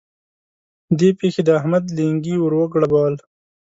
دې پېښې د احمد لېنګي ور وګړبول.